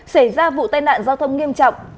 xảy ra vụ tai nạn giao thông nghiêm trọng